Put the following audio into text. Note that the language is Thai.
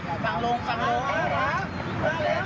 กลับมาช่วยกัน